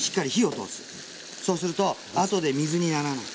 そうすると後で水にならない。